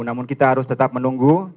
namun kita harus tetap menunggu